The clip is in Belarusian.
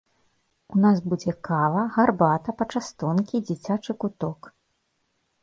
У нас будзе кава, гарбата, пачастункі, дзіцячы куток.